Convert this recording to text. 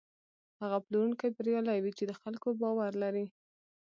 هغه پلورونکی بریالی وي چې د خلکو باور لري.